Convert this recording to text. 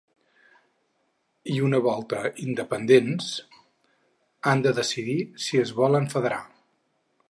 I una volta independents, han de decidir si es volen federar.